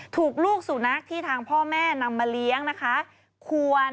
ถูกลูกสุนัขที่ทางพ่อแม่นำมาเลี้ยงนะคะ